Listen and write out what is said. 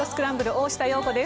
大下容子です。